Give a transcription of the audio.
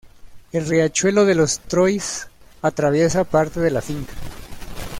El riachuelo de los Trois atraviesa parte de la finca.